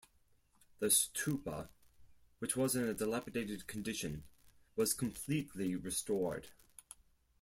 The stupa which was in a dilapidated condition was completely restored.